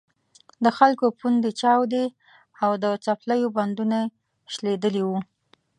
د خلکو پوندې چاودې او د څپلیو بندونه شلېدلي وو.